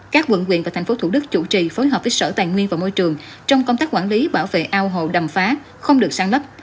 các quận nguyện và tp hcm chủ trì phối hợp với sở tàn nguyên và môi trường trong công tác quản lý bảo vệ ao hồ đầm phá không được sáng lắp